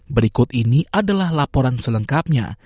berikut ini adalah laporan selengkapnya